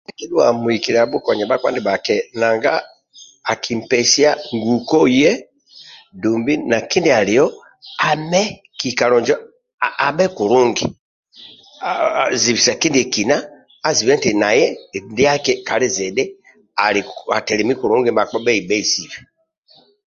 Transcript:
Ndia kidhuaga muhikili abhukonia bhakpa ndibhaki nanga akimpesia nguko iye dumbi na kindia alio ame kikalo injo abhe kulungi zibisa kindiekina azibe eti naye ndiaki kalizidhi azibe eti bhakpa bhe gbeisia